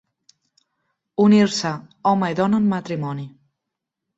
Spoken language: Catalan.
Unir-se home i dona en matrimoni.